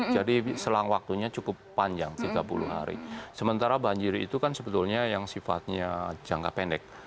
jadi selang waktunya cukup panjang tiga puluh hari sementara banjir itu kan sebetulnya yang sifatnya jangka pendek